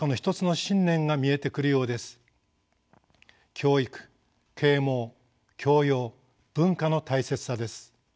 教育啓蒙教養文化の大切さです。